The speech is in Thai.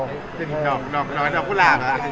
เป็นดอกกุหลาบ